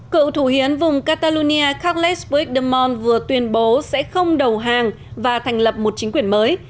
cựu thủ hiến vùng catalonia carles puigdemont vừa tuyên bố sẽ không đầu hàng và thành lập một chính quyền mới